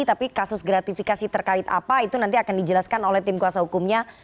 tapi kasus gratifikasi terkait apa itu nanti akan dijelaskan oleh tim kuasa hukumnya